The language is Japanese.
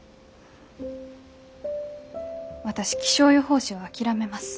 私気象予報士は諦めます。